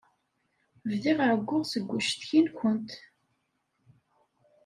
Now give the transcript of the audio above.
Bdiɣ ɛeyyuɣ seg uccetki-nwent.